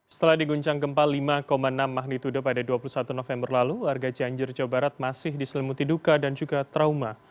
setelah diguncang gempa lima enam magnitudo pada dua puluh satu november lalu warga cianjur jawa barat masih diselimuti duka dan juga trauma